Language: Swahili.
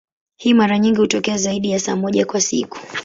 Hii mara nyingi hutokea zaidi ya saa moja kwa siku.